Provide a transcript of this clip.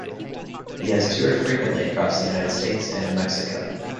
He has toured frequently across the United States and in Mexico.